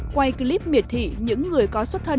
quay clip miệt thị những người có xuất thân